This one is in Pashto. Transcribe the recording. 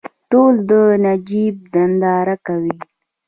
ټول د نجیب ننداره کوي.